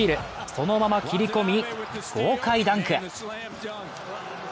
そのまま切り込み、豪快ダンク。